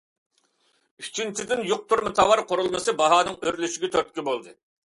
ئۈچىنچىدىن، يۇقتۇرما تاۋار قۇرۇلمىسى باھانىڭ ئۆرلىشىگە تۈرتكە بولدى.